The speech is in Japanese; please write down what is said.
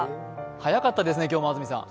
早かったですね、今日も安住さん。